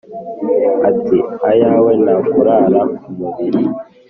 Atari ayawe ntakurara kumubili.